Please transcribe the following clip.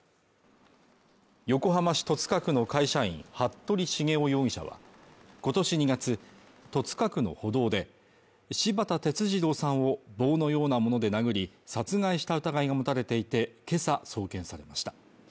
横浜市戸塚区の会社員服部繁雄容疑者は、今年２月戸塚区の歩道で、柴田哲二郎さんを棒のようなもので殴り殺害した疑いが持たれていて、けさ送検されました。